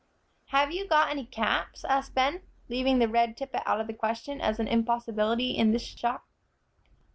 "Have you got any caps?" asked Ben, leaving the red tippet out of the question as an impossibility in this shop.